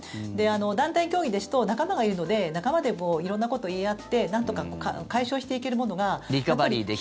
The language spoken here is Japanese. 団体競技ですと仲間がいるので仲間で色んなことを言い合ってなんとか解消していけるものが。